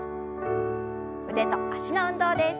腕と脚の運動です。